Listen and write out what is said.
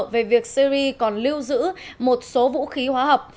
về việc syri còn lưu giữ một số vũ khí hóa học